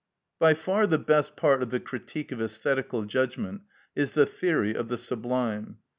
By far the best part of the "Critique of Æsthetical Judgment" is the theory of the sublime.